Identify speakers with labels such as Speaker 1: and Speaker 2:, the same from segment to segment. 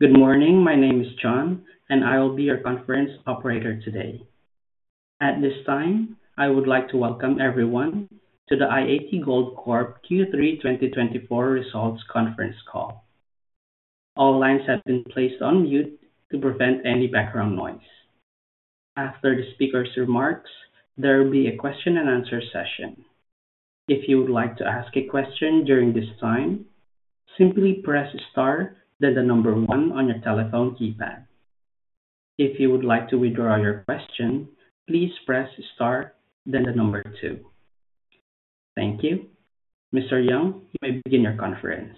Speaker 1: Good morning. My name is John, and I will be your conference operator today. At this time, I would like to welcome everyone to the i-80 Gold Corp Q3 2024 results conference call. All lines have been placed on mute to prevent any background noise. After the speaker's remarks, there will be a question-and-answer session. If you would like to ask a question during this time, simply press Star, then the number 1 on your telephone keypad. If you would like to withdraw your question, please press Star, then the number 2. Thank you. Mr. Young, you may begin your conference.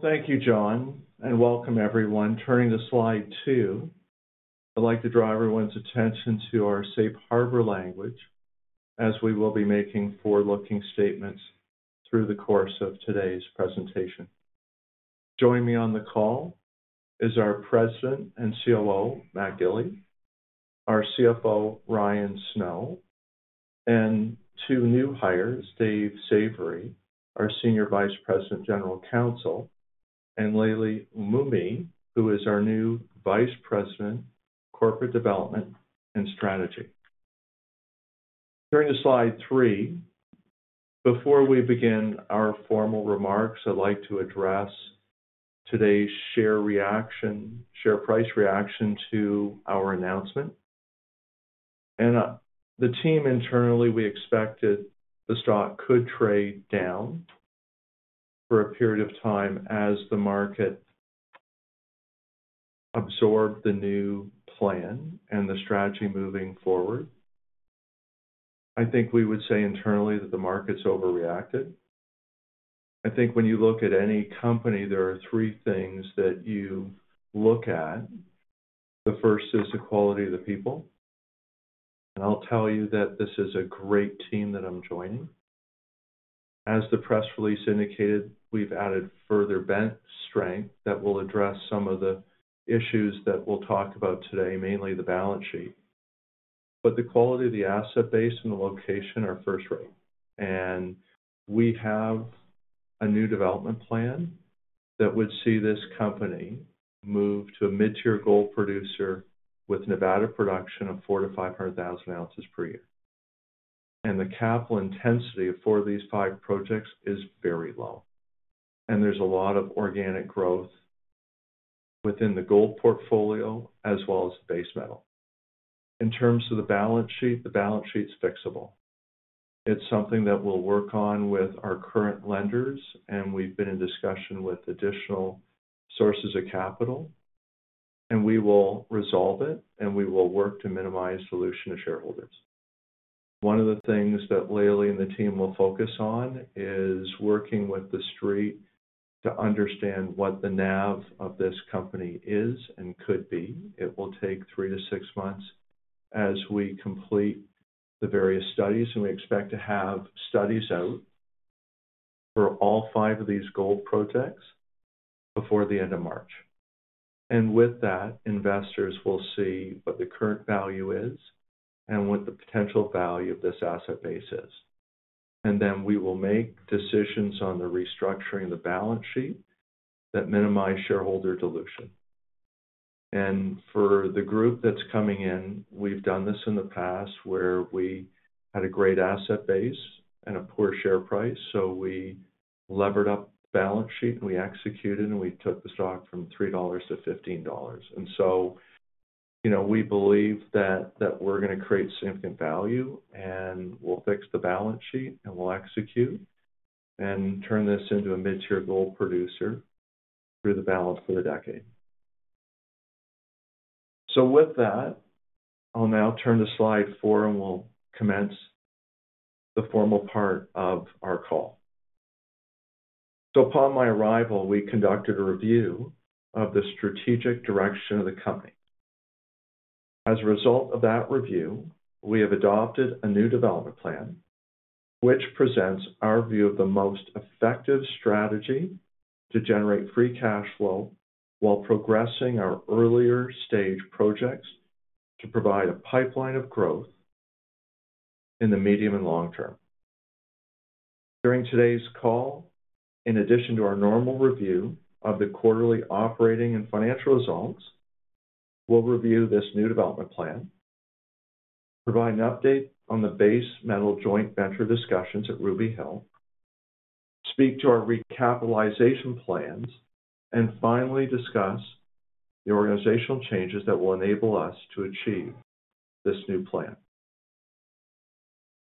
Speaker 2: Thank you, John, and welcome everyone. Turning to slide 2, I'd like to draw everyone's attention to our safe harbor language, as we will be making forward-looking statements through the course of today's presentation. Joining me on the call is our President and COO, Matt Gill, our CFO, Ryan Snow, and two new hires, David Savarie, our Senior Vice President and General Counsel, and Laleh Molaei, who is our new Vice President, Corporate Development and Strategy. Turning to slide 3, before we begin our formal remarks, I'd like to address today's share price reaction to our announcement. The team internally, we expected the stock could trade down for a period of time as the market absorbed the new plan and the strategy moving forward. I think we would say internally that the market's overreacted. I think when you look at any company, there are three things that you look at. The first is the quality of the people. And I'll tell you that this is a great team that I'm joining. As the press release indicated, we've added further strength that will address some of the issues that we'll talk about today, mainly the balance sheet. But the quality of the asset base and the location are first-rate. And we have a new development plan that would see this company move to a mid-tier gold producer with Nevada production of 4,000-5,000 ounces per year. And the capital intensity for these five projects is very low. And there's a lot of organic growth within the gold portfolio as well as the base metal. In terms of the balance sheet, the balance sheet's fixable. It's something that we'll work on with our current lenders, and we've been in discussion with additional sources of capital. We will resolve it, and we will work to minimize dilution of shareholders. One of the things that Laleh and the team will focus on is working with the street to understand what the NAV of this company is and could be. It will take three to six months as we complete the various studies, and we expect to have studies out for all five of these gold projects before the end of March. With that, investors will see what the current value is and what the potential value of this asset base is. Then we will make decisions on the restructuring of the balance sheet that minimize shareholder dilution. And for the group that's coming in, we've done this in the past where we had a great asset base and a poor share price. So we levered up the balance sheet, and we executed, and we took the stock from $3 to $15. And so we believe that we're going to create significant value, and we'll fix the balance sheet, and we'll execute and turn this into a mid-tier gold producer through the balance for the decade. So with that, I'll now turn to slide four, and we'll commence the formal part of our call. So upon my arrival, we conducted a review of the strategic direction of the company. As a result of that review, we have adopted a new development plan, which presents our view of the most effective strategy to generate free cash flow while progressing our earlier stage projects to provide a pipeline of growth in the medium and long term. During today's call, in addition to our normal review of the quarterly operating and financial results, we'll review this new development plan, provide an update on the base metal joint venture discussions at Ruby Hill, speak to our recapitalization plans, and finally discuss the organizational changes that will enable us to achieve this new plan.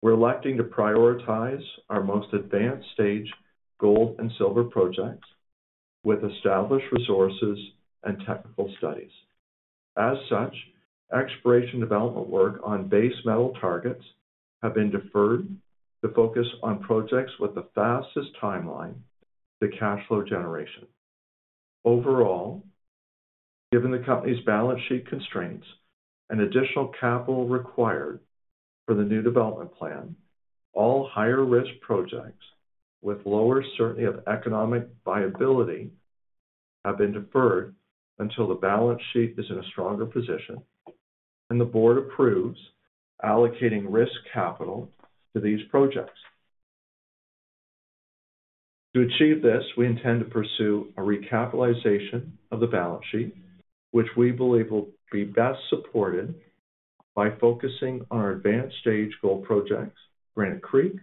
Speaker 2: We're electing to prioritize our most advanced stage gold and silver projects with established resources and technical studies. As such, exploration development work on base metal targets have been deferred to focus on projects with the fastest timeline to cash flow generation. Overall, given the company's balance sheet constraints and additional capital required for the new development plan, all higher risk projects with lower certainty of economic viability have been deferred until the balance sheet is in a stronger position, and the board approves allocating risk capital to these projects. To achieve this, we intend to pursue a recapitalization of the balance sheet, which we believe will be best supported by focusing on our advanced stage gold projects, Granite Creek,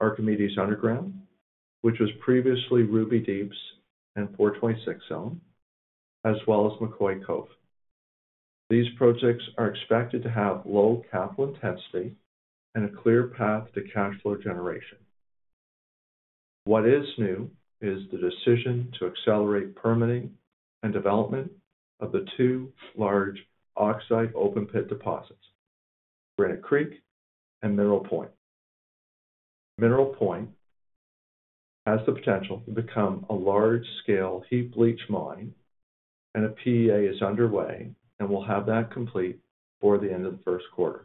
Speaker 2: Archimedes Underground, which was previously Ruby Deeps and 426 Zone, as well as McCoy-Cove. These projects are expected to have low capital intensity and a clear path to cash flow generation. What is new is the decision to accelerate permitting and development of the two large oxide open pit deposits, Granite Creek and Mineral Point. Mineral Point has the potential to become a large-scale heap leach mine, and a PEA is underway, and we'll have that complete before the end of the first quarter.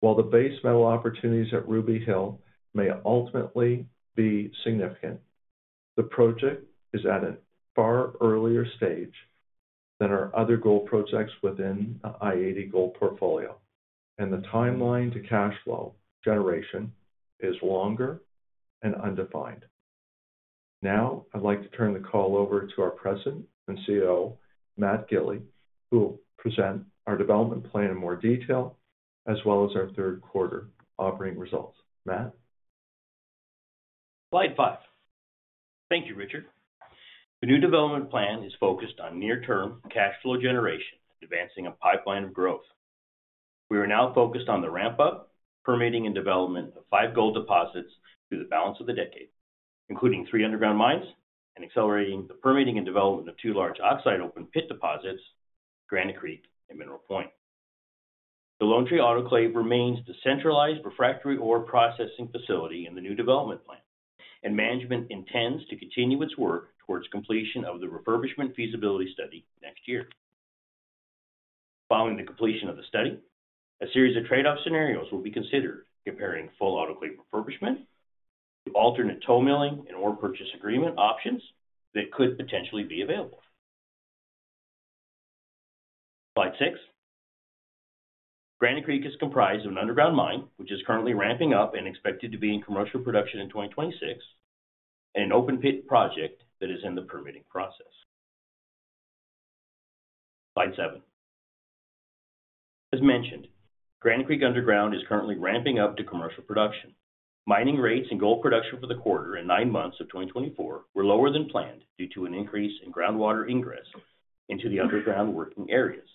Speaker 2: While the base metal opportunities at Ruby Hill may ultimately be significant, the project is at a far earlier stage than our other gold projects within the i-80 Gold portfolio, and the timeline to cash flow generation is longer and undefined. Now, I'd like to turn the call over to our President and COO, Matt Gill, who will present our development plan in more detail, as well as our third quarter operating results. Matt?
Speaker 3: Slide 5. Thank you, Richard. The new development plan is focused on near-term cash flow generation and advancing a pipeline of growth. We are now focused on the ramp-up, permitting, and development of five gold deposits through the balance of the decade, including three underground mines, and accelerating the permitting and development of two large oxide open pit deposits, Granite Creek and Mineral Point. The Lone Tree Autoclave remains the centralized refractory ore processing facility in the new development plan, and management intends to continue its work towards completion of the refurbishment feasibility study next year. Following the completion of the study, a series of trade-off scenarios will be considered, comparing full autoclave refurbishment to alternate toll milling and ore purchase agreement options that could potentially be available. Slide 6. Granite Creek is comprised of an underground mine which is currently ramping up and expected to be in commercial production in 2026, and an open pit project that is in the permitting process. Slide 7. As mentioned, Granite Creek Underground is currently ramping up to commercial production. Mining rates and gold production for the quarter and nine months of 2024 were lower than planned due to an increase in groundwater ingress into the underground working areas,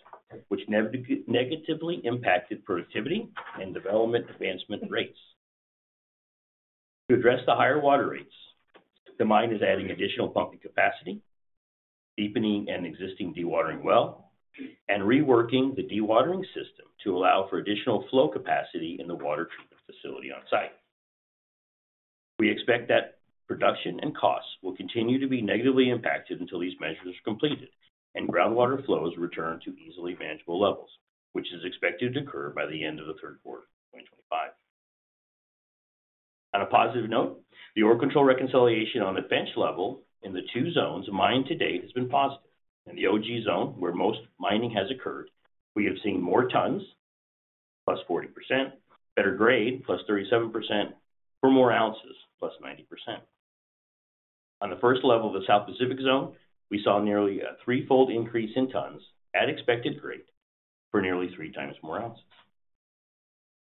Speaker 3: which negatively impacted productivity and development advancement rates. To address the higher water rates, the mine is adding additional pumping capacity, deepening an existing dewatering well, and reworking the dewatering system to allow for additional flow capacity in the water treatment facility on site. We expect that production and costs will continue to be negatively impacted until these measures are completed and groundwater flows return to easily manageable levels, which is expected to occur by the end of the third quarter of 2025. On a positive note, the ore control reconciliation on the bench level in the two zones mined to date has been positive. In the OG Zone, where most mining has occurred, we have seen more tons, plus 40%, better grade, plus 37%, or more ounces, plus 90%. On the first level of the South Pacific Zone, we saw nearly a threefold increase in tons, at expected grade, for nearly three times more ounces.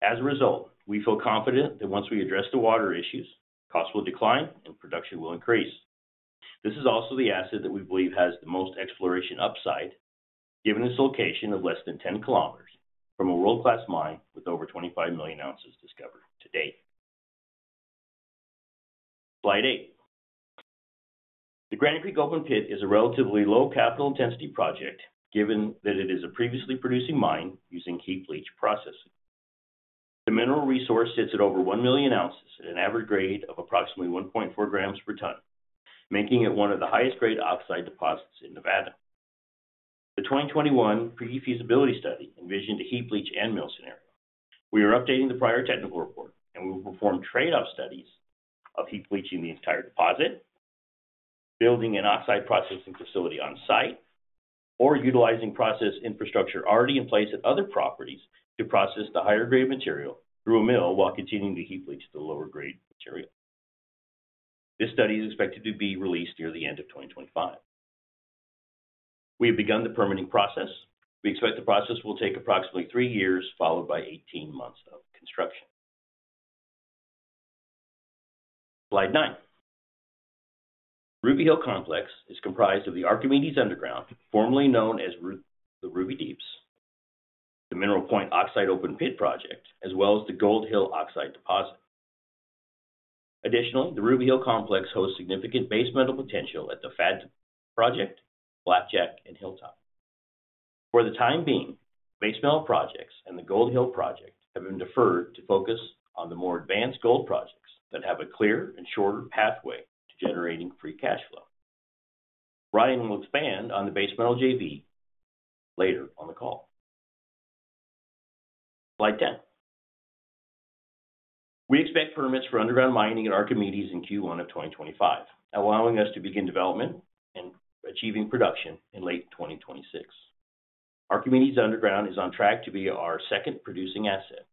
Speaker 3: As a result, we feel confident that once we address the water issues, costs will decline and production will increase. This is also the asset that we believe has the most exploration upside, given its location of less than 10 kilometers from a world-class mine with over 25 million ounces discovered to date. Slide 8. The Granite Creek Open Pit is a relatively low capital intensity project, given that it is a previously producing mine using heap leach processing. The mineral resource sits at over 1 million ounces at an average grade of approximately 1.4 grams per ton, making it one of the highest-grade oxide deposits in Nevada. The 2021 pre-feasibility study envisioned a heap leach and mill scenario. We are updating the prior technical report, and we will perform trade-off studies of heap leaching the entire deposit, building an oxide processing facility on site, or utilizing process infrastructure already in place at other properties to process the higher-grade material through a mill while continuing to heap leach the lower-grade material. This study is expected to be released near the end of 2025. We have begun the permitting process. We expect the process will take approximately three years, followed by 18 months of construction. Slide 9. Ruby Hill Complex is comprised of the Archimedes Underground, formerly known as the Ruby Deeps, the Mineral Point Oxide Open Pit project, as well as the Gold Hill Oxide Deposit. Additionally, the Ruby Hill Complex hosts significant base metal potential at the FAD project, Blackjack, and Hilltop. For the time being, base metal projects and the Gold Hill project have been deferred to focus on the more advanced gold projects that have a clear and shorter pathway to generating free cash flow. Ryan will expand on the base metal JV later on the call. Slide 10. We expect permits for underground mining at Archimedes in Q1 of 2025, allowing us to begin development and achieving production in late 2026. Archimedes Underground is on track to be our second producing asset.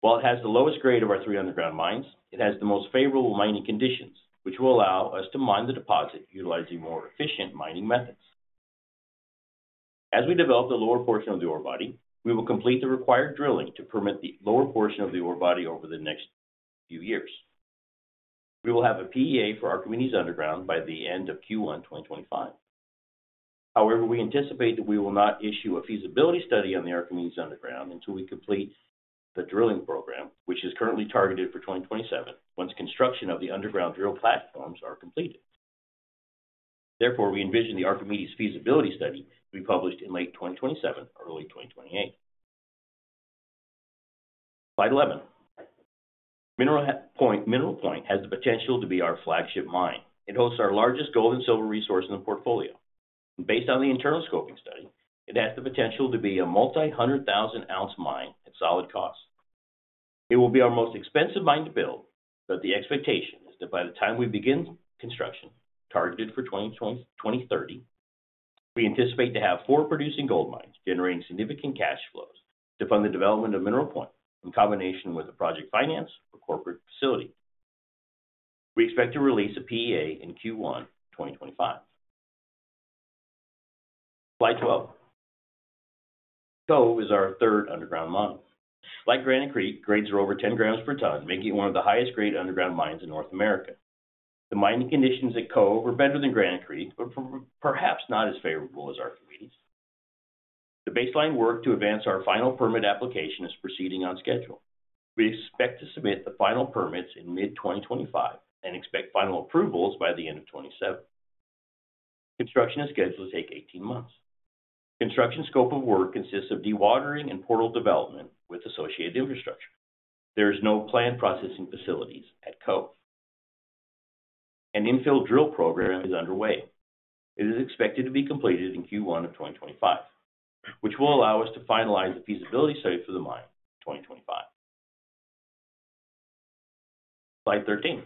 Speaker 3: While it has the lowest grade of our three underground mines, it has the most favorable mining conditions, which will allow us to mine the deposit utilizing more efficient mining methods. As we develop the lower portion of the ore body, we will complete the required drilling to permit the lower portion of the ore body over the next few years. We will have a PEA for Archimedes Underground by the end of Q1 2025. However, we anticipate that we will not issue a feasibility study on the Archimedes Underground until we complete the drilling program, which is currently targeted for 2027, once construction of the underground drill platforms is completed. Therefore, we envision the Archimedes feasibility study to be published in late 2027, early 2028. Slide 11. Mineral Point has the potential to be our flagship mine. It hosts our largest gold and silver resource in the portfolio. Based on the internal scoping study, it has the potential to be a multi-hundred thousand ounce mine at solid cost. It will be our most expensive mine to build, but the expectation is that by the time we begin construction targeted for 2030, we anticipate to have four producing gold mines generating significant cash flows to fund the development of Mineral Point in combination with a project finance for corporate facility. We expect to release a PEA in Q1 2025. Slide 12. Cove is our third underground mine. Like Granite Creek, grades are over 10 grams per ton, making it one of the highest-grade underground mines in North America. The mining conditions at Cove are better than Granite Creek, but perhaps not as favorable as Archimedes. The baseline work to advance our final permit application is proceeding on schedule. We expect to submit the final permits in mid-2025 and expect final approvals by the end of 2027. Construction is scheduled to take 18 months. Construction scope of work consists of dewatering and portal development with associated infrastructure. There are no plant processing facilities at Cove. An infill drill program is underway. It is expected to be completed in Q1 of 2025, which will allow us to finalize the feasibility study for the mine in 2025. Slide 13.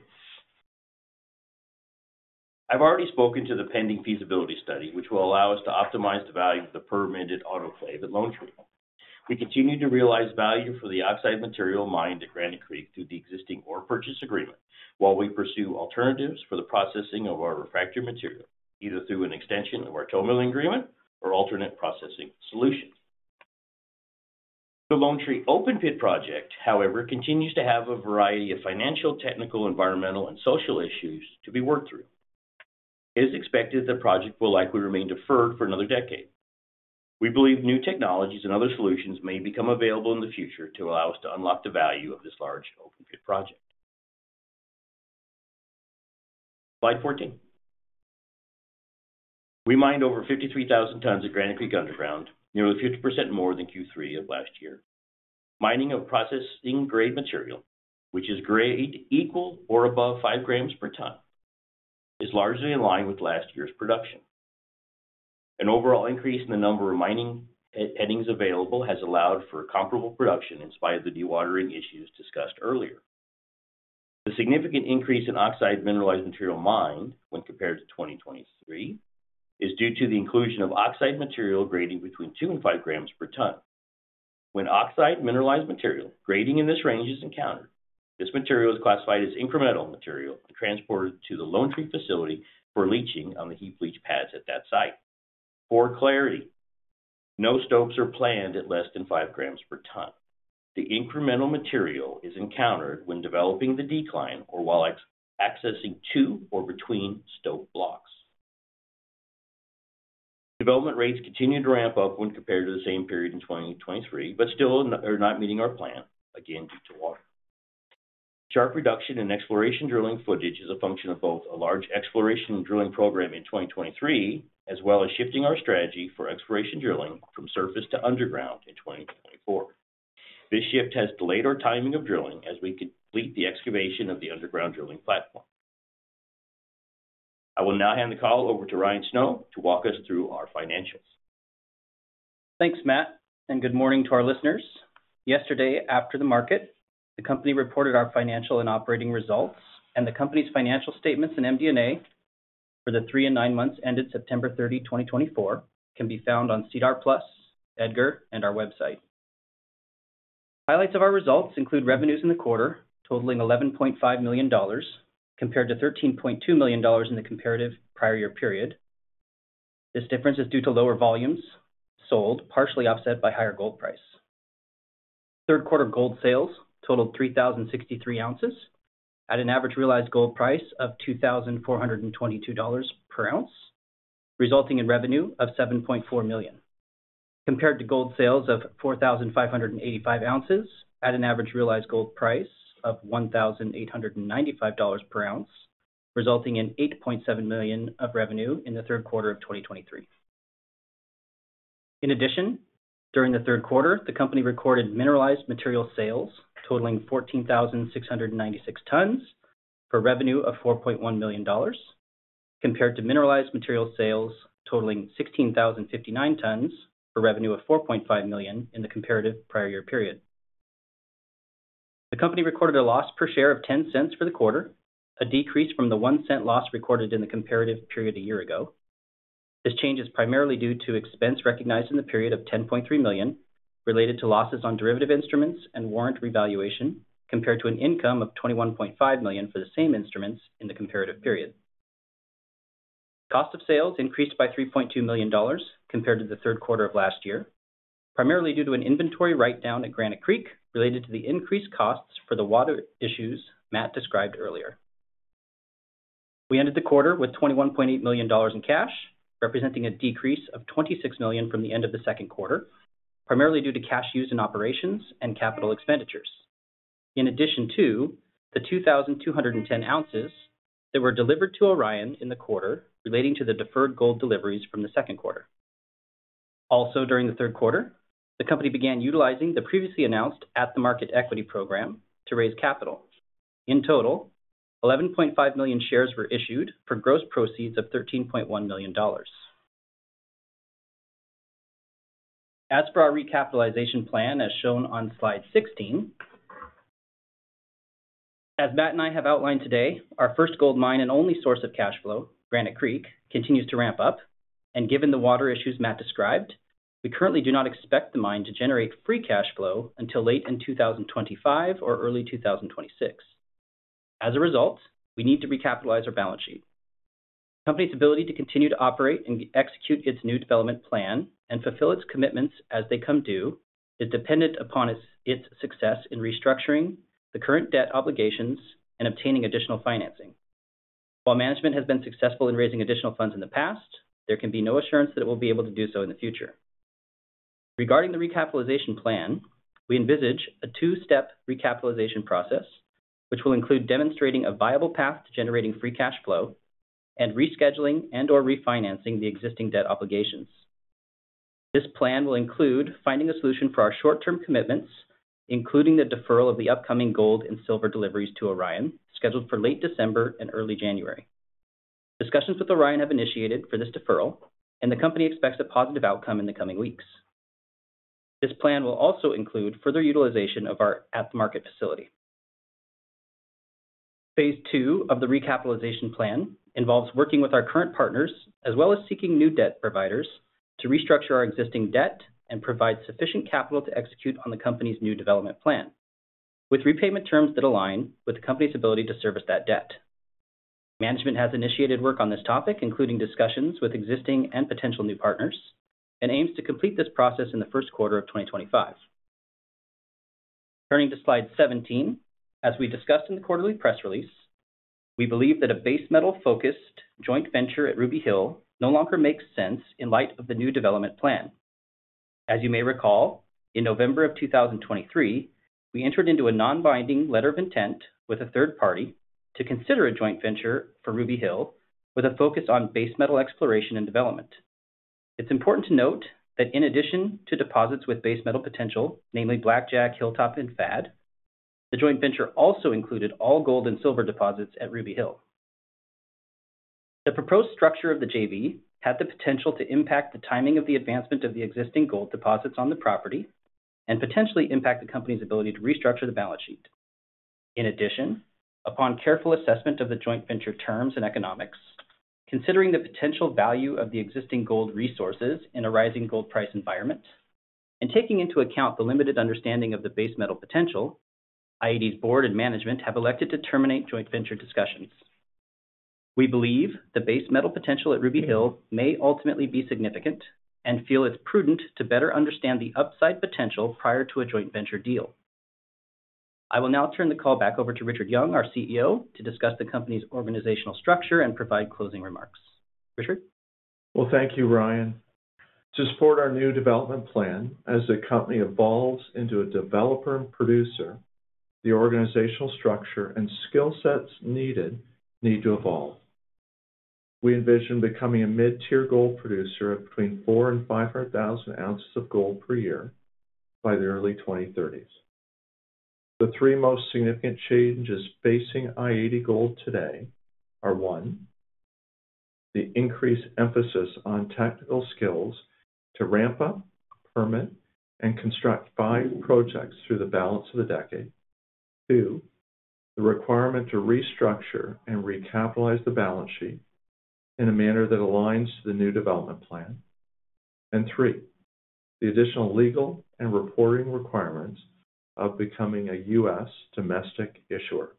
Speaker 3: I've already spoken to the pending feasibility study, which will allow us to optimize the value of the permitted autoclave at Lone Tree. We continue to realize value for the oxide material mined at Granite Creek through the existing ore purchase agreement, while we pursue alternatives for the processing of our refractory material, either through an extension of our toll milling agreement or alternate processing solutions. The Lone Tree Open Pit project, however, continues to have a variety of financial, technical, environmental, and social issues to be worked through. It is expected that the project will likely remain deferred for another decade. We believe new technologies and other solutions may become available in the future to allow us to unlock the value of this large open pit project. Slide 14. We mined over 53,000 tons of Granite Creek Underground, nearly 50% more than Q3 of last year. Mining of processing grade material, which is grade equal or above five grams per ton, is largely in line with last year's production. An overall increase in the number of mining headings available has allowed for comparable production in spite of the dewatering issues discussed earlier. The significant increase in oxide mineralized material mined when compared to 2023 is due to the inclusion of oxide material grading between two and five grams per ton. When oxide mineralized material grading in this range is encountered, this material is classified as incremental material and transported to the Lone Tree facility for leaching on the heap leach pads at that site. For clarity, no stopes are planned at less than five grams per ton. The incremental material is encountered when developing the decline or while accessing tunnels or between stope blocks. Development rates continue to ramp up when compared to the same period in 2023, but still are not meeting our plan, again due to water. Sharp reduction in exploration drilling footage is a function of both a large exploration drilling program in 2023, as well as shifting our strategy for exploration drilling from surface to underground in 2024. This shift has delayed our timing of drilling as we complete the excavation of the underground drilling platform. I will now hand the call over to Ryan Snow to walk us through our financials.
Speaker 4: Thanks, Matt, and good morning to our listeners. Yesterday, after the market, the company reported our financial and operating results, and the company's financial statements and MD&A for the three and nine months ended September 30, 2024, can be found on SEDAR+, EDGAR, and our website. Highlights of our results include revenues in the quarter totaling $11.5 million, compared to $13.2 million in the comparative prior year period. This difference is due to lower volumes sold, partially offset by higher gold price. Third quarter gold sales totaled 3,063 ounces at an average realized gold price of $2,422 per ounce, resulting in revenue of $7.4 million, compared to gold sales of 4,585 ounces at an average realized gold price of $1,895 per ounce, resulting in $8.7 million of revenue in the third quarter of 2023. In addition, during the third quarter, the company recorded mineralized material sales totaling 14,696 tons for revenue of $4.1 million, compared to mineralized material sales totaling 16,059 tons for revenue of $4.5 million in the comparative prior year period. The company recorded a loss per share of $0.10 for the quarter, a decrease from the $0.01 loss recorded in the comparative period a year ago. This change is primarily due to expense recognized in the period of $10.3 million related to losses on derivative instruments and warrant revaluation, compared to an income of $21.5 million for the same instruments in the comparative period. Cost of sales increased by $3.2 million compared to the third quarter of last year, primarily due to an inventory write-down at Granite Creek related to the increased costs for the water issues Matt described earlier. We ended the quarter with $21.8 million in cash, representing a decrease of $26 million from the end of the second quarter, primarily due to cash used in operations and capital expenditures, in addition to the 2,210 ounces that were delivered to Orion in the quarter relating to the deferred gold deliveries from the second quarter. Also, during the third quarter, the company began utilizing the previously announced at-the-market equity program to raise capital. In total, 11.5 million shares were issued for gross proceeds of $13.1 million. As for our recapitalization plan, as shown on slide 16, as Matt and I have outlined today, our first gold mine and only source of cash flow, Granite Creek, continues to ramp up, and given the water issues Matt described, we currently do not expect the mine to generate free cash flow until late in 2025 or early 2026. As a result, we need to recapitalize our balance sheet. The company's ability to continue to operate and execute its new development plan and fulfill its commitments as they come due is dependent upon its success in restructuring the current debt obligations and obtaining additional financing. While management has been successful in raising additional funds in the past, there can be no assurance that it will be able to do so in the future. Regarding the recapitalization plan, we envisage a two-step recapitalization process, which will include demonstrating a viable path to generating free cash flow and rescheduling and/or refinancing the existing debt obligations. This plan will include finding a solution for our short-term commitments, including the deferral of the upcoming gold and silver deliveries to Orion, scheduled for late December and early January. Discussions with Orion have initiated for this deferral, and the company expects a positive outcome in the coming weeks. This plan will also include further utilization of our at-the-market facility. Phase two of the recapitalization plan involves working with our current partners as well as seeking new debt providers to restructure our existing debt and provide sufficient capital to execute on the company's new development plan, with repayment terms that align with the company's ability to service that debt. Management has initiated work on this topic, including discussions with existing and potential new partners, and aims to complete this process in the first quarter of 2025. Turning to slide 17, as we discussed in the quarterly press release, we believe that a base metal-focused joint venture at Ruby Hill no longer makes sense in light of the new development plan. As you may recall, in November of 2023, we entered into a non-binding letter of intent with a third party to consider a joint venture for Ruby Hill with a focus on base metal exploration and development. It's important to note that in addition to deposits with base metal potential, namely Blackjack, Hilltop, and FAD, the joint venture also included all gold and silver deposits at Ruby Hill. The proposed structure of the JV had the potential to impact the timing of the advancement of the existing gold deposits on the property and potentially impact the company's ability to restructure the balance sheet. In addition, upon careful assessment of the joint venture terms and economics, considering the potential value of the existing gold resources in a rising gold price environment, and taking into account the limited understanding of the base metal potential, i-80's board and management have elected to terminate joint venture discussions. We believe the base metal potential at Ruby Hill may ultimately be significant and feel it's prudent to better understand the upside potential prior to a joint venture deal. I will now turn the call back over to Richard Young, our CEO, to discuss the company's organizational structure and provide closing remarks. Richard?
Speaker 2: Thank you, Ryan. To support our new development plan, as the company evolves into a developer and producer, the organizational structure and skill sets needed need to evolve. We envision becoming a mid-tier gold producer of between 4,000 and 500,000 ounces of gold per year by the early 2030s. The three most significant changes facing i-80 Gold today are, one, the increased emphasis on technical skills to ramp up, permit, and construct five projects through the balance of the decade. Two, the requirement to restructure and recapitalize the balance sheet in a manner that aligns to the new development plan. And three, the additional legal and reporting requirements of becoming a U.S. domestic issuer.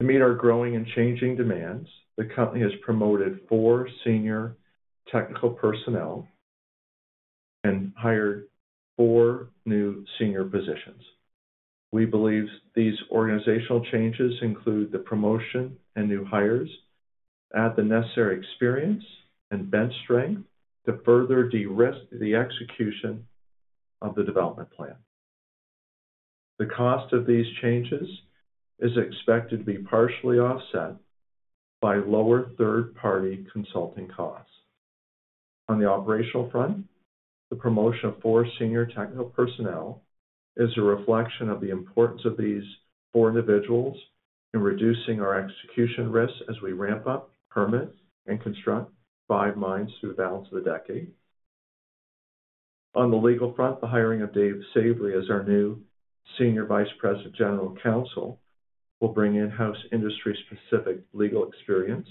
Speaker 2: To meet our growing and changing demands, the company has promoted four senior technical personnel and hired four new senior positions. We believe these organizational changes include the promotion and new hires, add the necessary experience, and bench strength to further de-risk the execution of the development plan. The cost of these changes is expected to be partially offset by lower third-party consulting costs. On the operational front, the promotion of four senior technical personnel is a reflection of the importance of these four individuals in reducing our execution risk as we ramp up, permit, and construct five mines through the balance of the decade. On the legal front, the hiring of David Savarie as our new Senior Vice President, General Counsel, will bring in-house industry-specific legal experience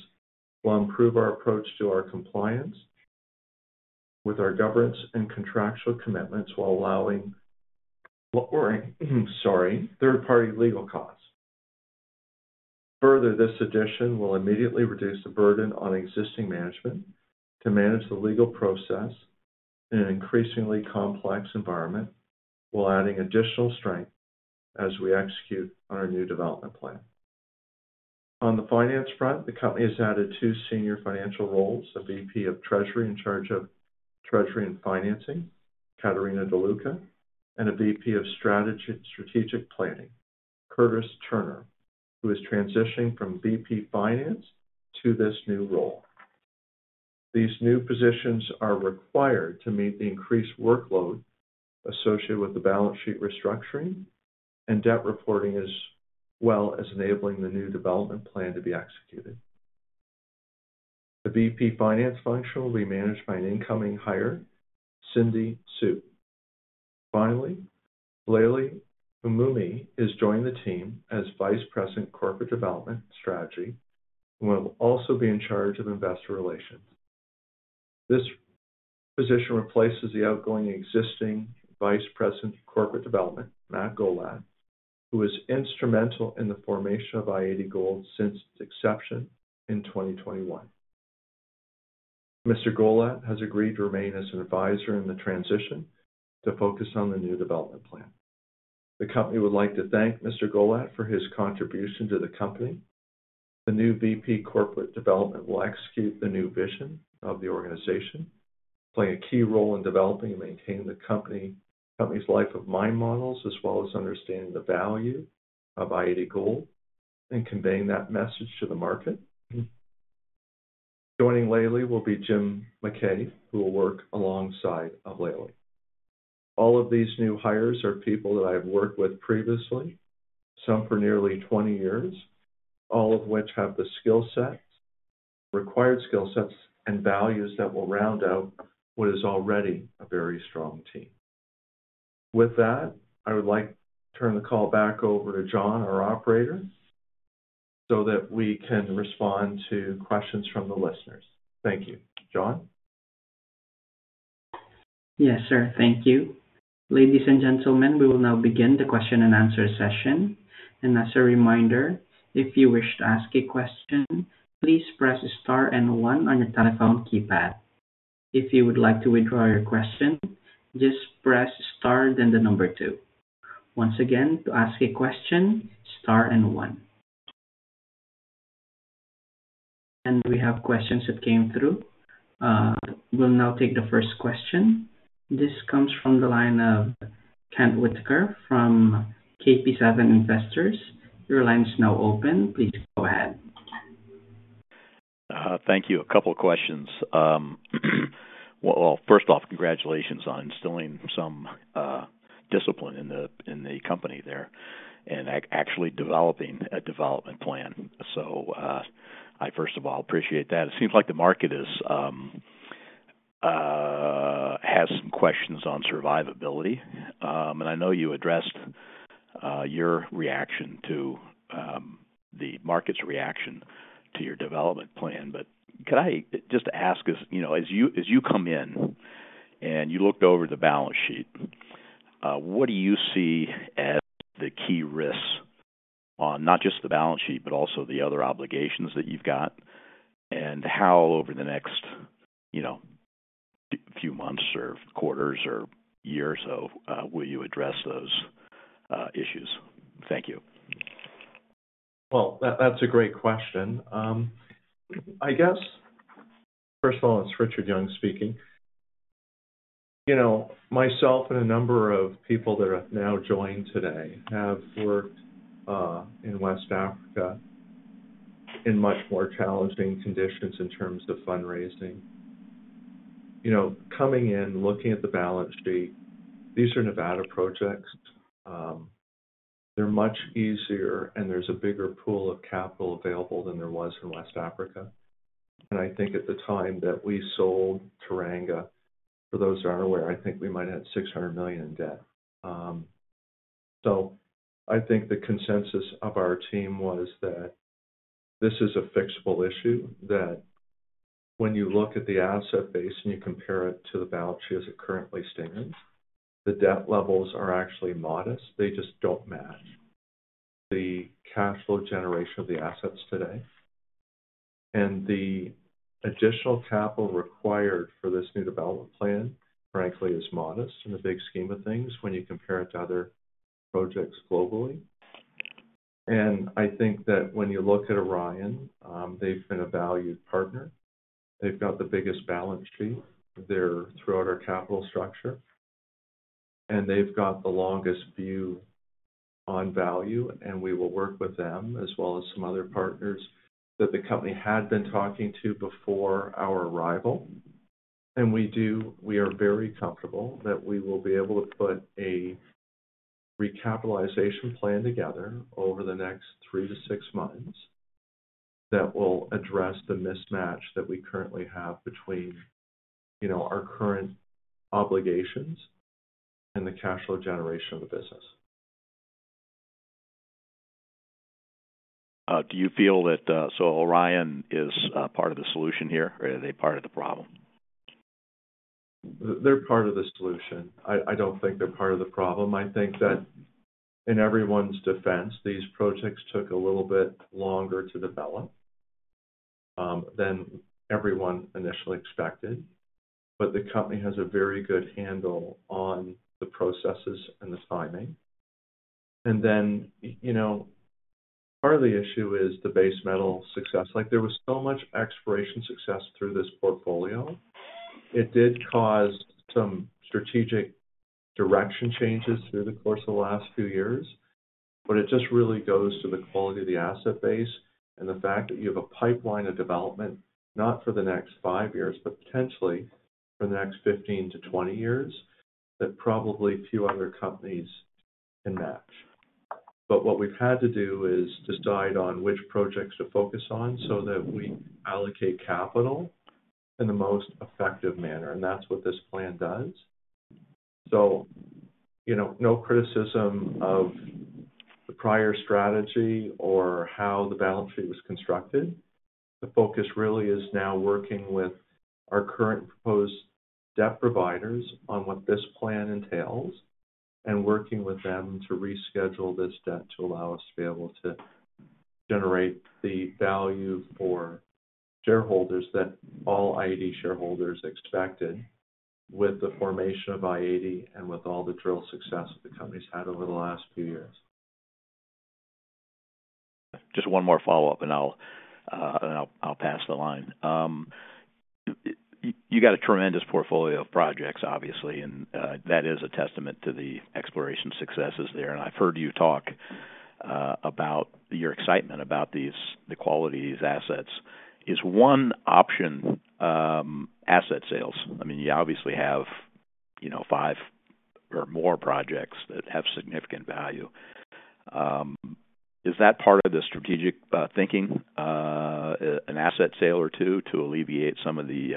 Speaker 2: while improving our approach to our compliance with our governance and contractual commitments while allowing third-party legal costs. Further, this addition will immediately reduce the burden on existing management to manage the legal process in an increasingly complex environment while adding additional strength as we execute on our new development plan. On the finance front, the company has added two senior financial roles: a VP of Treasury in charge of Treasury and Financing, Katarina Deluca, and a VP of Strategic Planning, Curtis Turner, who is transitioning from VP Finance to this new role. These new positions are required to meet the increased workload associated with the balance sheet restructuring and debt reporting, as well as enabling the new development plan to be executed. The VP Finance function will be managed by an incoming hire, Cindy Su. Finally, Laleh Molaei is joining the team as Vice President corporate development strategy and will also be in charge of investor relations. This position replaces the outgoing, existing Vice President, Corporate Development, Matt Gollat, who was instrumental in the formation of i-80 Gold since its inception in 2021. Mr. Gollat has agreed to remain as an advisor in the transition to focus on the new development plan. The company would like to thank Mr. Gollat for his contribution to the company. The new VP, Corporate Development will execute the new vision of the organization, playing a key role in developing and maintaining the company's life of mine models, as well as understanding the value of i-80 Gold and conveying that message to the market. Joining Laleh will be Jim McKay, who will work alongside of Laleh. All of these new hires are people that I have worked with previously, some for nearly 20 years, all of which have the required skill sets and values that will round out what is already a very strong team. With that, I would like to turn the call back over to John, our operator, so that we can respond to questions from the listeners. Thank you. John?
Speaker 1: Yes, sir. Thank you. Ladies and gentlemen, we will now begin the question and answer session. And as a reminder, if you wish to ask a question, please press star and one on your telephone keypad. If you would like to withdraw your question, just press star, then the number two. Once again, to ask a question, star and one. And we have questions that came through. We'll now take the first question. This comes from the line of Kent Whitaker from KP7 Investors. Your line is now open. Please go ahead.
Speaker 5: Thank you. A couple of questions. First off, congratulations on instilling some discipline in the company there and actually developing a development plan. I, first of all, appreciate that. It seems like the market has some questions on survivability. I know you addressed your reaction to the market's reaction to your development plan. Could I just ask as you come in and you looked over the balance sheet, what do you see as the key risks, not just the balance sheet, but also the other obligations that you've got? How, over the next few months or quarters or year or so, will you address those issues? Thank you.
Speaker 2: That's a great question. I guess, first of all, it's Richard Young speaking. Myself and a number of people that have now joined today have worked in West Africa in much more challenging conditions in terms of fundraising. Coming in, looking at the balance sheet, these are Nevada projects. They're much easier, and there's a bigger pool of capital available than there was in West Africa. I think at the time that we sold Teranga, for those that aren't aware, I think we might have $600 million in debt. I think the consensus of our team was that this is a fixable issue, that when you look at the asset base and you compare it to the balance sheet as it currently stands, the debt levels are actually modest. They just don't match the cash flow generation of the assets today. And the additional capital required for this new development plan, frankly, is modest in the big scheme of things when you compare it to other projects globally. And I think that when you look at Orion, they've been a valued partner. They've got the biggest balance sheet throughout our capital structure. And they've got the longest view on value. And we will work with them, as well as some other partners that the company had been talking to before our arrival. And we are very comfortable that we will be able to put a recapitalization plan together over the next three to six months that will address the mismatch that we currently have between our current obligations and the cash flow generation of the business.
Speaker 5: Do you feel that Orion is part of the solution here, or are they part of the problem?
Speaker 2: They're part of the solution. I don't think they're part of the problem. I think that in everyone's defense, these projects took a little bit longer to develop than everyone initially expected. But the company has a very good handle on the processes and the timing. And then part of the issue is the base metal success. There was so much exploration success through this portfolio. It did cause some strategic direction changes through the course of the last few years. But it just really goes to the quality of the asset base and the fact that you have a pipeline of development, not for the next five years, but potentially for the next 15-20 years that probably few other companies can match. But what we've had to do is decide on which projects to focus on so that we allocate capital in the most effective manner. That's what this plan does. No criticism of the prior strategy or how the balance sheet was constructed. The focus really is now working with our current proposed debt providers on what this plan entails and working with them to reschedule this debt to allow us to be able to generate the value for shareholders that all i-80 shareholders expected with the formation of i-80 and with all the drill success that the company's had over the last few years.
Speaker 5: Just one more follow-up, and I'll pass the line. You've got a tremendous portfolio of projects, obviously. And that is a testament to the exploration successes there. And I've heard you talk about your excitement about the quality of these assets. Is one option asset sales? I mean, you obviously have five or more projects that have significant value. Is that part of the strategic thinking, an asset sale or two, to alleviate some of the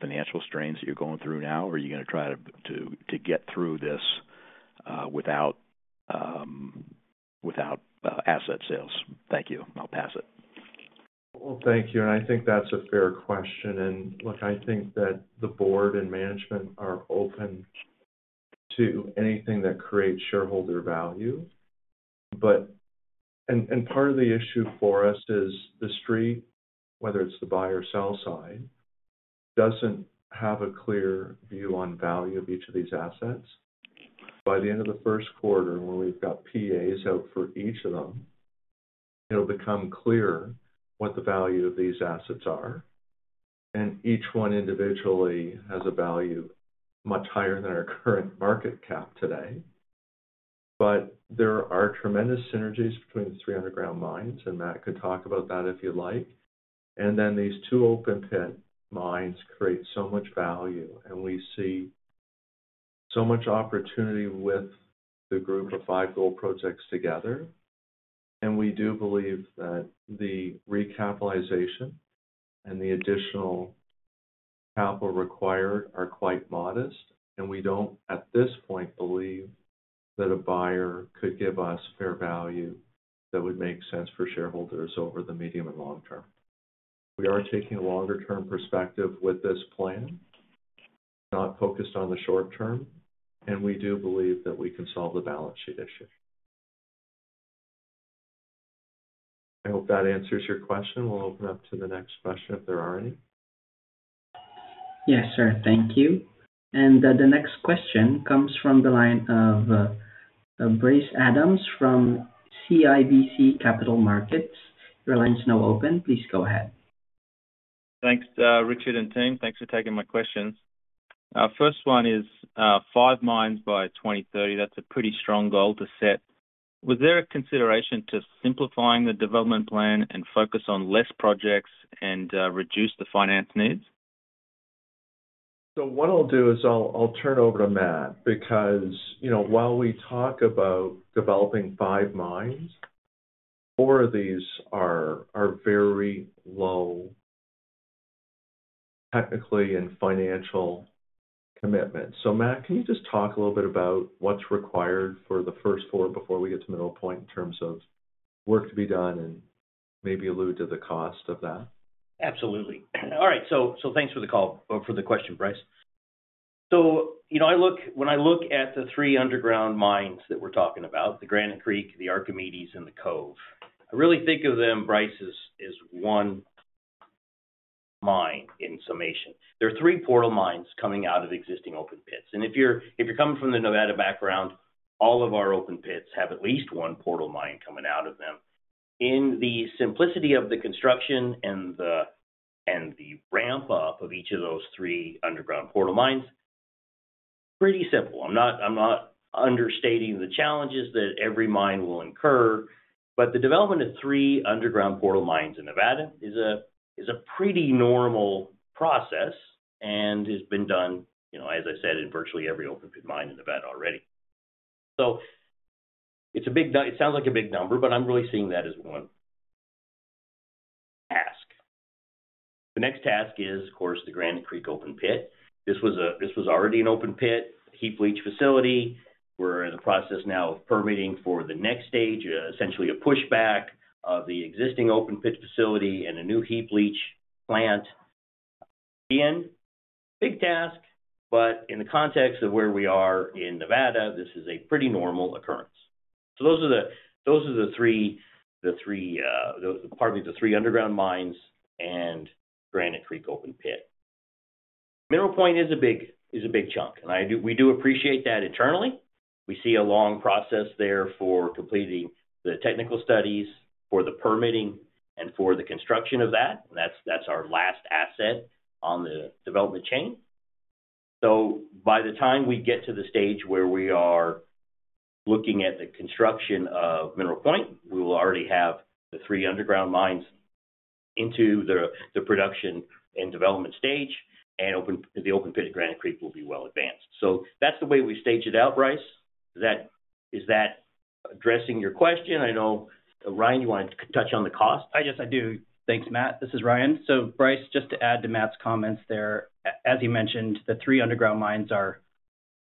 Speaker 5: financial strains that you're going through now? Or are you going to try to get through this without asset sales? Thank you. I'll pass it.
Speaker 2: Thank you. And I think that's a fair question. And look, I think that the board and management are open to anything that creates shareholder value. And part of the issue for us is the street, whether it's the buyer or sell side, doesn't have a clear view on value of each of these assets. By the end of the first quarter, when we've got PEAs out for each of them, it'll become clear what the value of these assets are. And each one individually has a value much higher than our current market cap today. But there are tremendous synergies between the three underground mines. And Matt could talk about that if you'd like. And then these two open-pit mines create so much value. And we see so much opportunity with the group of five gold projects together. And we do believe that the recapitalization and the additional capital required are quite modest. And we don't, at this point, believe that a buyer could give us fair value that would make sense for shareholders over the medium and long term. We are taking a longer-term perspective with this plan, not focused on the short term. And we do believe that we can solve the balance sheet issue. I hope that answers your question. We'll open up to the next question if there are any.
Speaker 1: Yes, sir. Thank you. And the next question comes from the line of Bryce Adams from CIBC Capital Markets. Your line is now open. Please go ahead.
Speaker 6: Thanks, Richard and Tim. Thanks for taking my questions. First one is five mines by 2030. That's a pretty strong goal to set. Was there a consideration to simplifying the development plan and focus on less projects and reduce the finance needs?
Speaker 2: So, what I'll do is I'll turn over to Matt because while we talk about developing five mines, four of these are very low technical and financial commitment. So Matt, can you just talk a little bit about what's required for the first four before we get to Mineral Point in terms of work to be done and maybe allude to the cost of that?
Speaker 3: Absolutely. All right. So thanks for the call or for the question, Bryce. So when I look at the three underground mines that we're talking about, the Granite Creek, the Archimedes, and the Cove, I really think of them, Bryce, as one mine in summation. There are three portal mines coming out of existing open pits. And if you're coming from the Nevada background, all of our open pits have at least one portal mine coming out of them. In the simplicity of the construction and the ramp-up of each of those three underground portal mines, pretty simple. I'm not understating the challenges that every mine will incur. But the development of three underground portal mines in Nevada is a pretty normal process and has been done, as I said, in virtually every open pit mine in Nevada already. So it sounds like a big number, but I'm really seeing that as one task. The next task is, of course, the Granite Creek open pit. This was already an open pit, heap leach facility. We're in the process now of permitting for the next stage, essentially a pushback of the existing open pit facility and a new heap leach plant. Again, big task. But in the context of where we are in Nevada, this is a pretty normal occurrence. So those are the three, partly the three underground mines and Granite Creek open pit. Mineral Point is a big chunk. And we do appreciate that internally. We see a long process there for completing the technical studies, for the permitting, and for the construction of that. And that's our last asset on the development chain. So by the time we get to the stage where we are looking at the construction of Mineral Point, we will already have the three underground mines into the production and development stage, and the open pit at Granite Creek will be well advanced. So that's the way we stage it out, Bryce. Is that addressing your question? I know, Ryan, you wanted to touch on the cost.
Speaker 4: Yes, I do. Thanks, Matt. This is Ryan. So Bryce, just to add to Matt's comments there, as he mentioned, the three underground mines are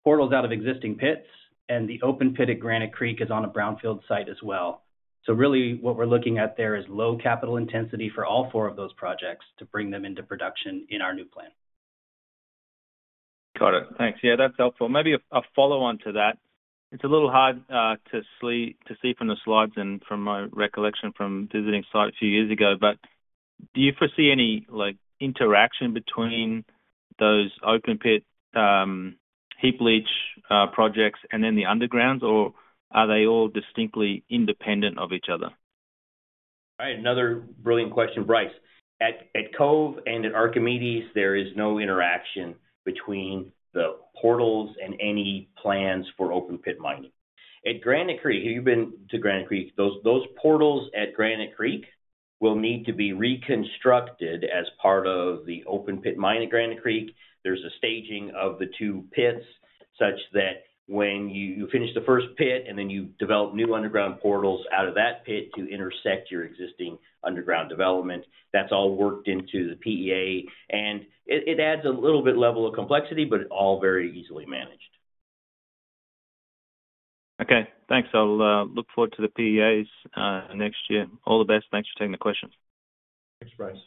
Speaker 4: portals out of existing pits. And the open pit at Granite Creek is on a brownfield site as well. So really, what we're looking at there is low capital intensity for all four of those projects to bring them into production in our new plan.
Speaker 6: Got it. Thanks. Yeah, that's helpful. Maybe a follow-on to that. It's a little hard to see from the slides and from my recollection from visiting sites a few years ago. But do you foresee any interaction between those open pit heap leach projects and then the undergrounds? Or are they all distinctly independent of each other?
Speaker 4: All right. Another brilliant question, Bryce. At McCoy-Cove and at Archimedes, there is no interaction between the portals and any plans for open pit mining. At Granite Creek, have you been to Granite Creek? Those portals at Granite Creek will need to be reconstructed as part of the open pit mine at Granite Creek. There's a staging of the two pits such that when you finish the first pit and then you develop new underground portals out of that pit to intersect your existing underground development, that's all worked into the PEA, and it adds a little bit level of complexity, but all very easily managed.
Speaker 6: Okay. Thanks. I'll look forward to the PEAs next year. All the best. Thanks for taking the questions.
Speaker 2: Thanks, Brace.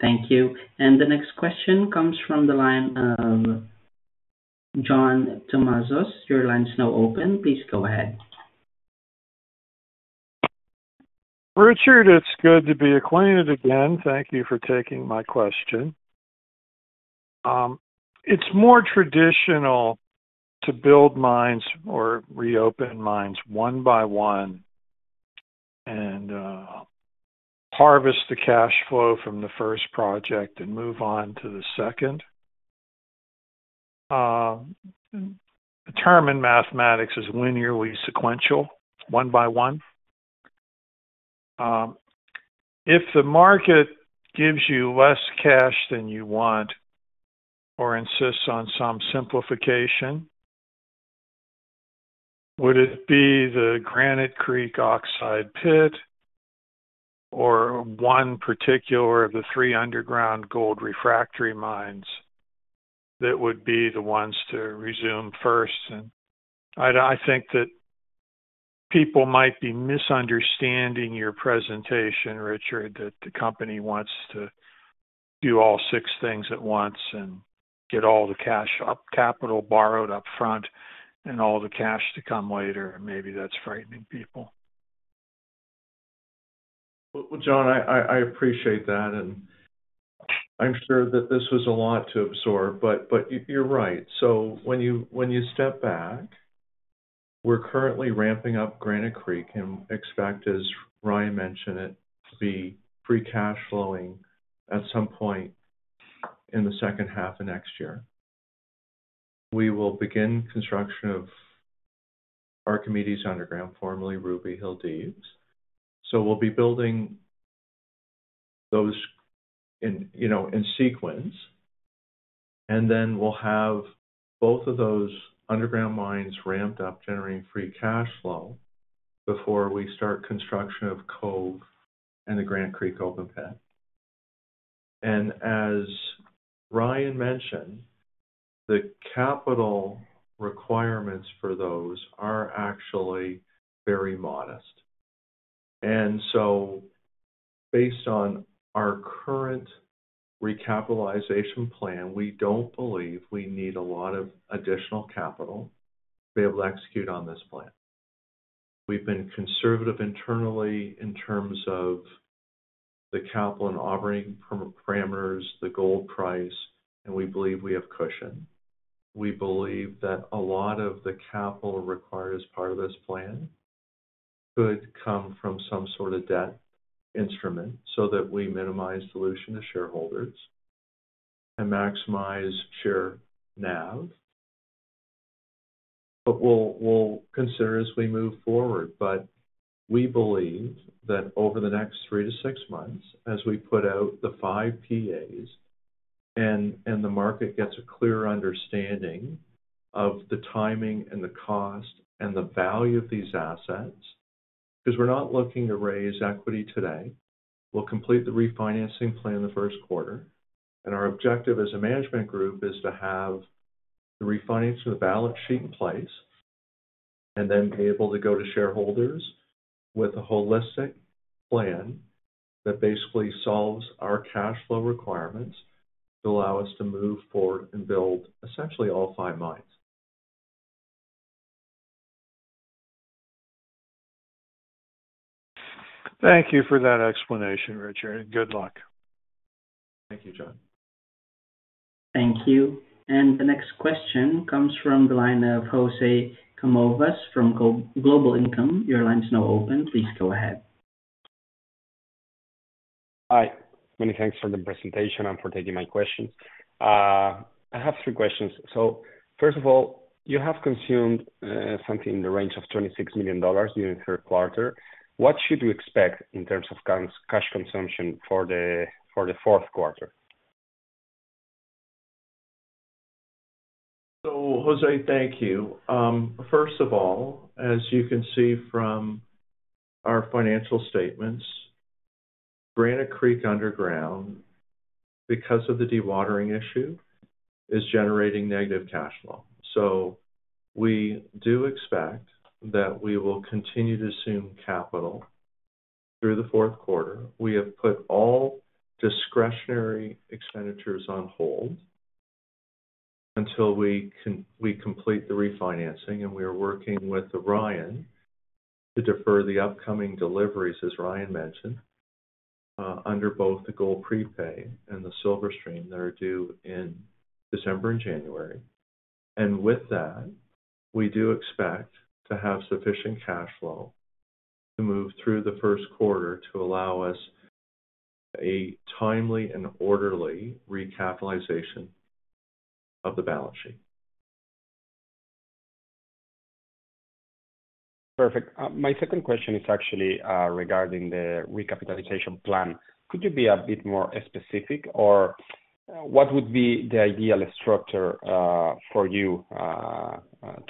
Speaker 1: Thank you. And the next question comes from the line of John Tumazos. Your line is now open. Please go ahead.
Speaker 7: Richard, it's good to be acquainted again. Thank you for taking my question. It's more traditional to build mines or reopen mines one by one and harvest the cash flow from the first project and move on to the second. The term in mathematics is linearly sequential, one by one. If the market gives you less cash than you want or insists on some simplification, would it be the Granite Creek Oxide Pit or one particular of the three underground gold refractory mines that would be the ones to resume first? I think that people might be misunderstanding your presentation, Richard, that the company wants to do all six things at once and get all the cash capital borrowed upfront and all the cash to come later. Maybe that's frightening people.
Speaker 2: John, I appreciate that. And I'm sure that this was a lot to absorb. But you're right. So when you step back, we're currently ramping up Granite Creek and expect, as Ryan mentioned it, to be pre-cash flowing at some point in the second half of next year. We will begin construction of Archimedes underground, formerly Ruby Deeps. So we'll be building those in sequence. And then we'll have both of those underground mines ramped up, generating free cash flow before we start construction of Cove and the Granite Creek open pit. And as Ryan mentioned, the capital requirements for those are actually very modest. And so based on our current recapitalization plan, we don't believe we need a lot of additional capital to be able to execute on this plan. We've been conservative internally in terms of the capital and operating parameters, the gold price, and we believe we have cushion. We believe that a lot of the capital required as part of this plan could come from some sort of debt instrument so that we minimize dilution to shareholders and maximize share NAV. But we'll consider as we move forward. But we believe that over the next three to six months, as we put out the five PEAs and the market gets a clearer understanding of the timing and the cost and the value of these assets, because we're not looking to raise equity today. We'll complete the refinancing plan in the first quarter. And our objective as a management group is to have the refinancing of the balance sheet in place and then be able to go to shareholders with a holistic plan that basically solves our cash flow requirements to allow us to move forward and build essentially all five mines.
Speaker 7: Thank you for that explanation, Richard, and good luck.
Speaker 2: Thank you, John.
Speaker 1: Thank you. And the next question comes from the line of Jose Gonçalves from Global Income. Your line is now open. Please go ahead.
Speaker 8: Hi. Many thanks for the presentation and for taking my questions. I have three questions. So first of all, you have consumed something in the range of $26 million during the third quarter. What should we expect in terms of cash consumption for the fourth quarter?
Speaker 2: So, Jose, thank you. First of all, as you can see from our financial statements, Granite Creek underground, because of the dewatering issue, is generating negative cash flow. So we do expect that we will continue to consume capital through the fourth quarter. We have put all discretionary expenditures on hold until we complete the refinancing. And we are working with Ryan to defer the upcoming deliveries, as Ryan mentioned, under both the gold prepay and the silver stream that are due in December and January. And with that, we do expect to have sufficient cash flow to move through the first quarter to allow us a timely and orderly recapitalization of the balance sheet.
Speaker 9: Perfect. My second question is actually regarding the recapitalization plan. Could you be a bit more specific? Or what would be the ideal structure for you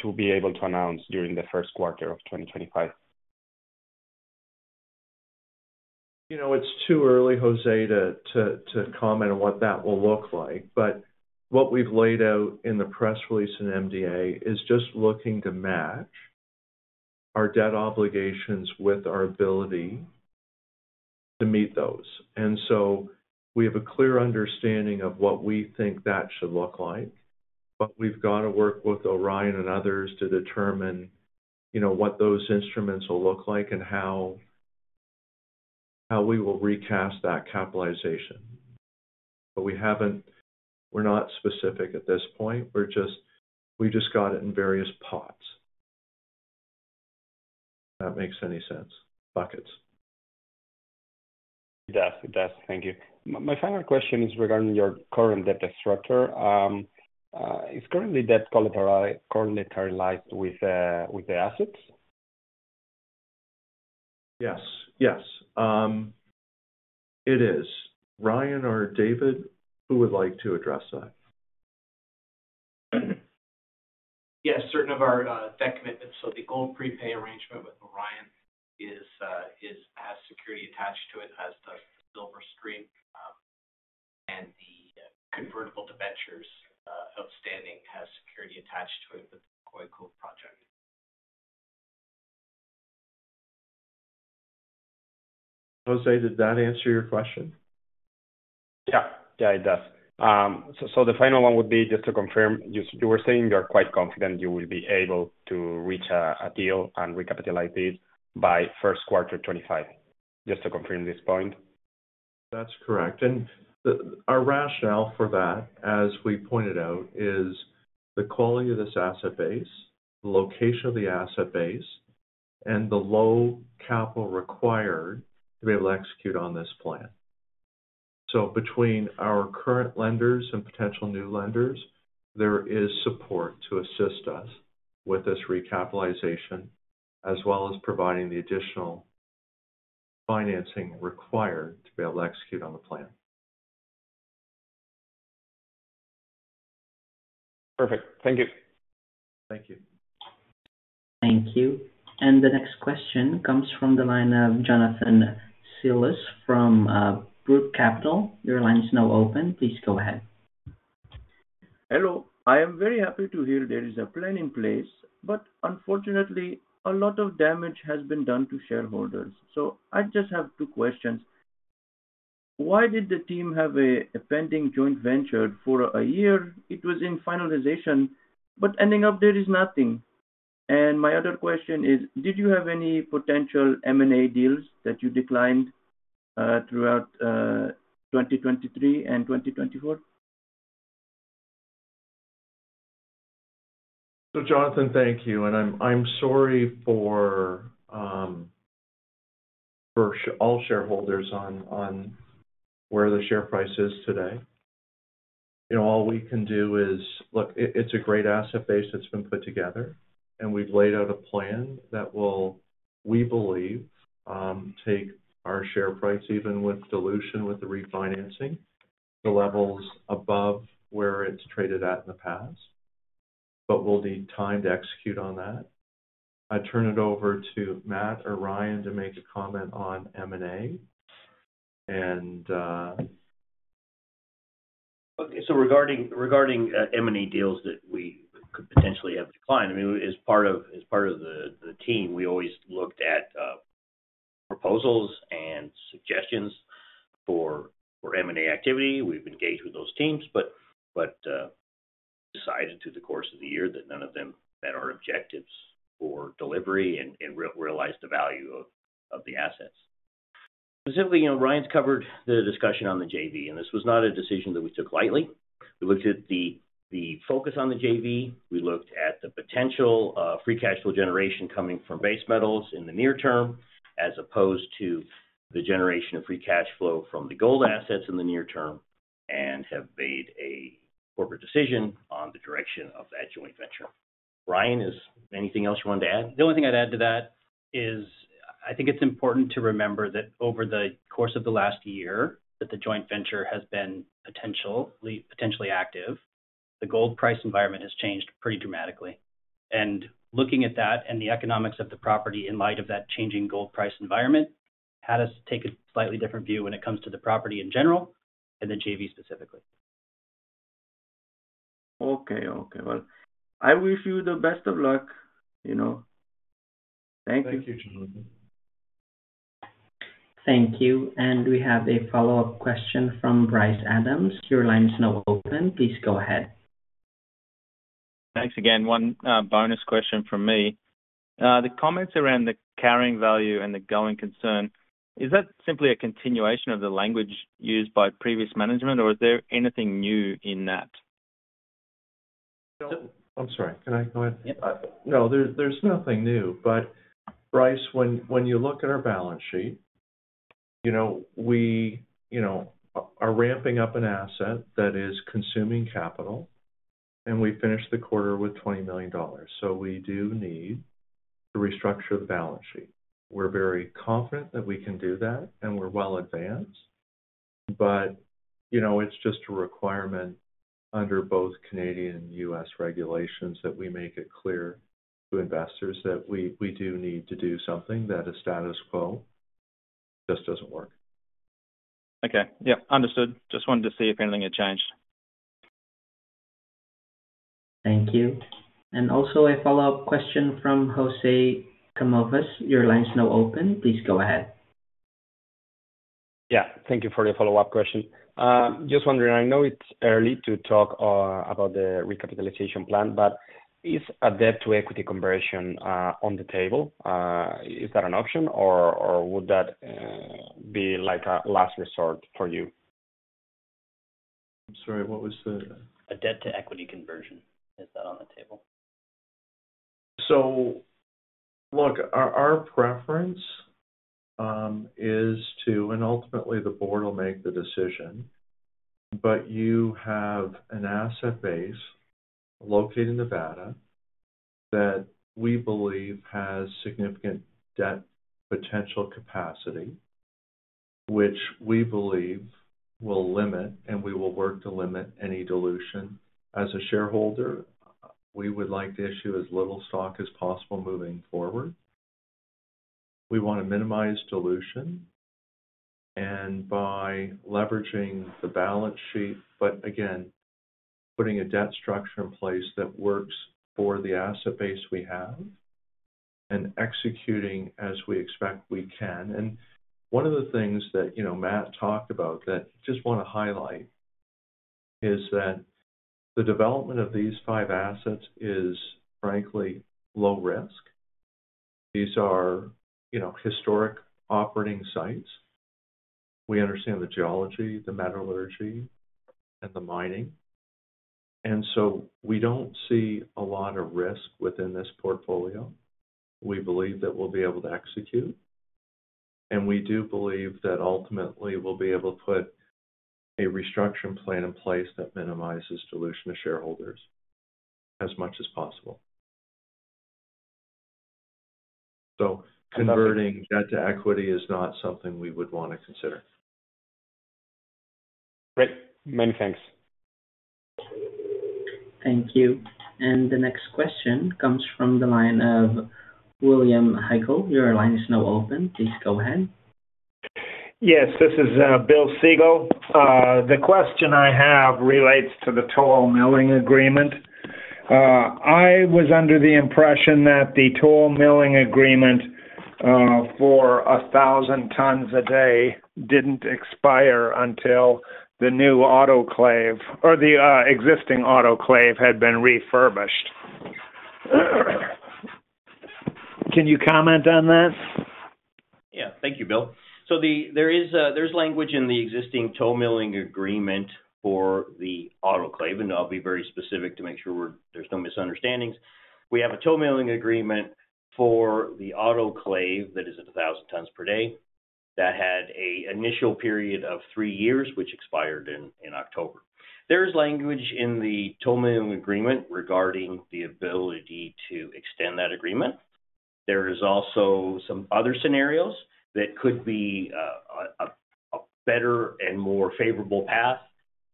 Speaker 9: to be able to announce during the first quarter of 2025?
Speaker 2: It's too early, Jose, to comment on what that will look like. But what we've laid out in the press release and MD&A is just looking to match our debt obligations with our ability to meet those. And so we have a clear understanding of what we think that should look like. But we've got to work with Orion and others to determine what those instruments will look like and how we will recast that capitalization. But we're not specific at this point. We just got it in various pots, if that makes any sense, buckets.
Speaker 9: It does. It does. Thank you. My final question is regarding your current debt structure. Is current debt currently collateralized with the assets?
Speaker 2: Yes. Yes. It is. Ryan or David, who would like to address that?
Speaker 3: Yes. Certain of our debt commitments. So the gold prepay arrangement with Orion has security attached to it as does the silver stream. And the convertible debentures outstanding has security attached to it with the McCoy-Cove project.
Speaker 2: Jose, did that answer your question?
Speaker 9: Yeah. Yeah, it does. So the final one would be just to confirm, you were saying you are quite confident you will be able to reach a deal and recapitalize it by first quarter 2025. Just to confirm this point.
Speaker 2: That's correct, and our rationale for that, as we pointed out, is the quality of this asset base, the location of the asset base, and the low capital required to be able to execute on this plan, so between our current lenders and potential new lenders, there is support to assist us with this recapitalization as well as providing the additional financing required to be able to execute on the plan.
Speaker 9: Perfect. Thank you.
Speaker 2: Thank you.
Speaker 1: Thank you. And the next question comes from the line of Jonathan Silas from Brook Capital. Your line is now open. Please go ahead.
Speaker 8: Hello. I am very happy to hear there is a plan in place, but unfortunately, a lot of damage has been done to shareholders, so I just have two questions. Why did the team have a pending joint venture for a year? It was in finalization, but ending up there is nothing, and my other question is, did you have any potential M&A deals that you declined throughout 2023 and 2024?
Speaker 2: So, Jonathan, thank you. And I'm sorry for all shareholders on where the share price is today. All we can do is look. It's a great asset base that's been put together. And we've laid out a plan that will, we believe, take our share price, even with dilution, with the refinancing, to levels above where it's traded at in the past. But we'll need time to execute on that. I turn it over to Matt or Ryan to make a comment on M&A. And.
Speaker 3: Okay. So regarding M&A deals that we could potentially have declined, I mean, as part of the team, we always looked at proposals and suggestions for M&A activity. We've engaged with those teams. But decided through the course of the year that none of them met our objectives for delivery and realized the value of the assets. Specifically, Ryan's covered the discussion on the JV. And this was not a decision that we took lightly. We looked at the focus on the JV. We looked at the potential free cash flow generation coming from base metals in the near term as opposed to the generation of free cash flow from the gold assets in the near term and have made a corporate decision on the direction of that joint venture. Ryan, is there anything else you wanted to add? The only thing I'd add to that is I think it's important to remember that over the course of the last year that the joint venture has been potentially active, the gold price environment has changed pretty dramatically. And looking at that and the economics of the property in light of that changing gold price environment had us take a slightly different view when it comes to the property in general and the JV specifically.
Speaker 10: Okay. Well, I wish you the best of luck. Thank you.
Speaker 2: Thank you, Jonathan.
Speaker 1: Thank you. And we have a follow-up question from Bryce Adams. Your line is now open. Please go ahead.
Speaker 6: Thanks again. One bonus question from me. The comments around the carrying value and the going concern, is that simply a continuation of the language used by previous management? Or is there anything new in that?
Speaker 2: I'm sorry. Can I go ahead?
Speaker 6: Yeah.
Speaker 2: No, there's nothing new. But Bryce, when you look at our balance sheet, we are ramping up an asset that is consuming capital. And we finished the quarter with $20 million. So we do need to restructure the balance sheet. We're very confident that we can do that. And we're well advanced. But it's just a requirement under both Canadian and U.S. regulations that we make it clear to investors that we do need to do something that is status quo. It just doesn't work.
Speaker 6: Okay. Yeah. Understood. Just wanted to see if anything had changed.
Speaker 1: Thank you. And also a follow-up question from Jose Gomolvas. Your line is now open. Please go ahead.
Speaker 9: Yeah. Thank you for the follow-up question. Just wondering, I know it's early to talk about the recapitalization plan, but is a debt-to-equity conversion on the table? Is that an option? Or would that be like a last resort for you?
Speaker 2: I'm sorry. What was the?
Speaker 3: A debt-to-equity conversion. Is that on the table?
Speaker 2: So look, our preference is to, and ultimately, the board will make the decision. But you have an asset base located in Nevada that we believe has significant debt potential capacity, which we believe will limit and we will work to limit any dilution. As a shareholder, we would like to issue as little stock as possible moving forward. We want to minimize dilution. And by leveraging the balance sheet, but again, putting a debt structure in place that works for the asset base we have and executing as we expect we can. And one of the things that Matt talked about that I just want to highlight is that the development of these five assets is, frankly, low risk. These are historic operating sites. We understand the geology, the metallurgy, and the mining. And so we don't see a lot of risk within this portfolio. We believe that we'll be able to execute, and we do believe that ultimately, we'll be able to put a restructuring plan in place that minimizes dilution to shareholders as much as possible, so converting debt to equity is not something we would want to consider.
Speaker 9: Great. Many thanks.
Speaker 1: Thank you. And the next question comes from the line of William Heigl. Your line is now open. Please go ahead.
Speaker 11: Yes. This is Bill Siegel. The question I have relates to the toll milling agreement. I was under the impression that the toll milling agreement for 1,000 tons a day didn't expire until the new autoclave or the existing autoclave had been refurbished. Can you comment on that?
Speaker 3: Yeah. Thank you, Bill. So there is language in the existing toll milling agreement for the autoclave, and I'll be very specific to make sure there's no misunderstandings. We have a toll milling agreement for the autoclave that is at 1,000 tons per day that had an initial period of three years, which expired in October. There is language in the toll milling agreement regarding the ability to extend that agreement. There is also some other scenarios that could be a better and more favorable path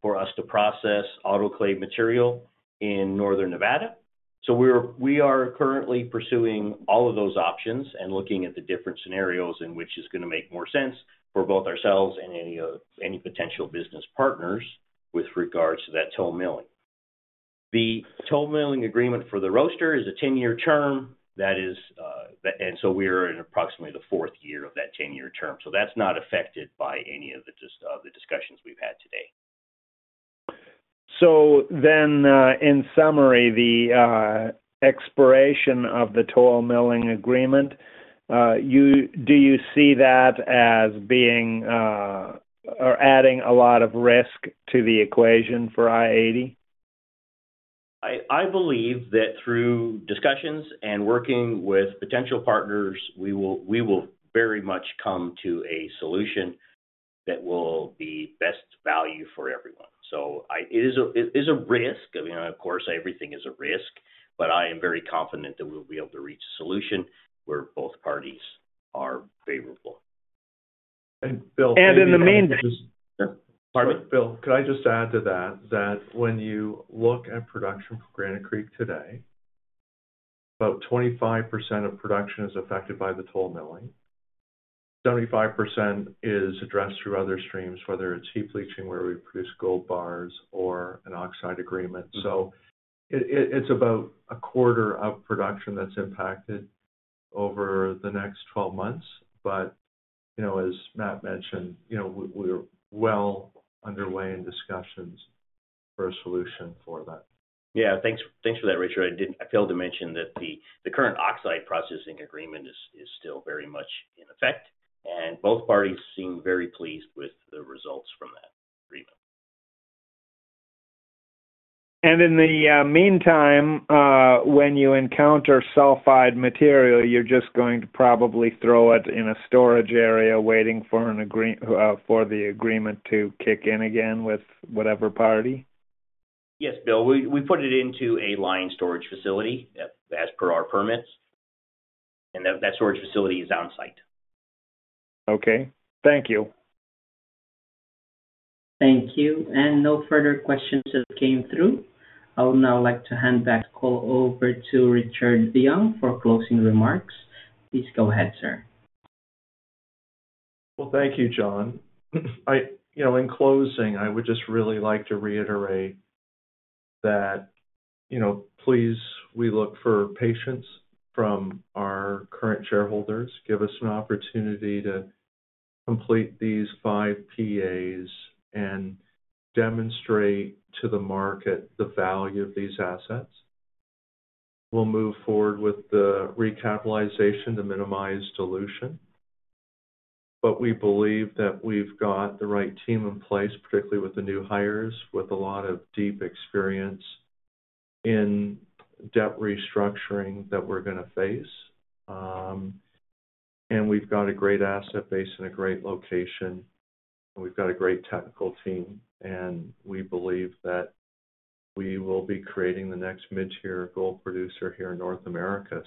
Speaker 3: for us to process autoclave material in northern Nevada, so we are currently pursuing all of those options and looking at the different scenarios in which it's going to make more sense for both ourselves and any potential business partners with regards to that toll milling. The toll milling agreement for the roaster is a 10-year term. And so we are in approximately the fourth year of that 10-year term. So that's not affected by any of the discussions we've had today.
Speaker 11: So then, in summary, the expiration of the toll milling agreement, do you see that as being or adding a lot of risk to the equation for i-80?
Speaker 3: I believe that through discussions and working with potential partners, we will very much come to a solution that will be best value for everyone. So it is a risk. I mean, of course, everything is a risk. But I am very confident that we'll be able to reach a solution where both parties are favorable.
Speaker 2: And Bill.
Speaker 11: And in the meantime.
Speaker 2: Pardon me? Bill, could I just add to that that when you look at production for Granite Creek today, about 25% of production is affected by the toll milling. 75% is addressed through other streams, whether it's heap leaching where we produce gold bars or an oxide agreement so it's about a quarter of production that's impacted over the next 12 months but as Matt mentioned, we're well underway in discussions for a solution for that.
Speaker 3: Yeah. Thanks for that, Richard. I failed to mention that the current oxide processing agreement is still very much in effect, and both parties seem very pleased with the results from that agreement.
Speaker 11: In the meantime, when you encounter sulfide material, you're just going to probably throw it in a storage area waiting for the agreement to kick in again with whatever party?
Speaker 3: Yes, Bill. We put it into a lined storage facility as per our permits, and that storage facility is on-site.
Speaker 11: Okay. Thank you.
Speaker 1: Thank you. And no further questions have come through. I would now like to hand back the call over to Richard Young for closing remarks. Please go ahead, sir.
Speaker 2: Thank you, John. In closing, I would just really like to reiterate that, please, we look for patience from our current shareholders. Give us an opportunity to complete these five PEAs and demonstrate to the market the value of these assets. We'll move forward with the recapitalization to minimize dilution. We believe that we've got the right team in place, particularly with the new hires, with a lot of deep experience in debt restructuring that we're going to face. We've got a great asset base in a great location. We've got a great technical team. We believe that we will be creating the next mid-tier gold producer here in North America.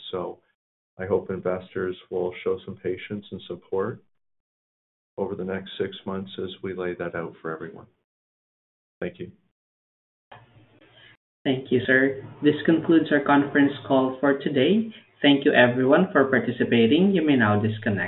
Speaker 2: I hope investors will show some patience and support over the next six months as we lay that out for everyone. Thank you.
Speaker 1: Thank you, sir. This concludes our conference call for today. Thank you, everyone, for participating. You may now disconnect.